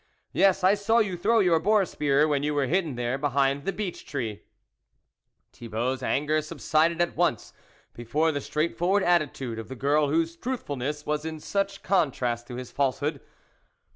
Yes, I saw you throw your boar spear, when you were hidden there, behind the beech tree." Thibault's anger subsided at once be fore the straightforward attitude of the girl, whose truthfulness was in such con trast to his falsehood.